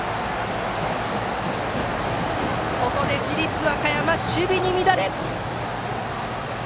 ここで市立和歌山、守備に乱れ。